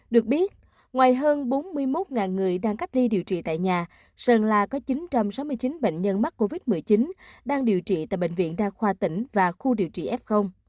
được biết ngoài hơn bốn mươi một người đang cách ly điều trị tại nhà sơn la có chín trăm sáu mươi chín bệnh nhân mắc covid một mươi chín đang điều trị tại bệnh viện đa khoa tỉnh và khu điều trị f